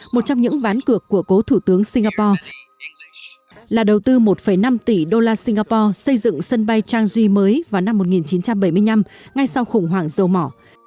một trong những ván cực của cố thủ tướng singapore là đầu tư một năm tỷ đô la singapore xây dựng sân bay changi mới vào năm một nghìn chín trăm bảy mươi năm ngay sau khủng hoảng dầu mỏ